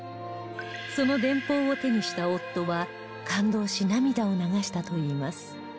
その電報を手にした夫は感動し涙を流したといいます